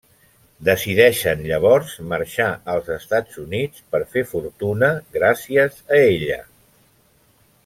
Decideixen llavors marxar als Estats Units per fer fortuna gràcies a ella.